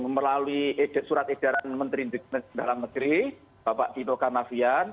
melalui surat edaran menteri indikasi dalam negeri bapak dino kanavian